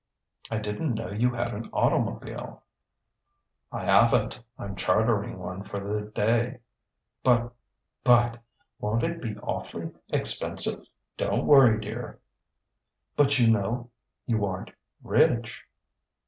"I didn't know you had an automobile." "I haven't; I'm chartering one for the day." "But ... but ... won't it be awf'ly expensive?" "Don't worry, dear." "But, you know, you aren't rich."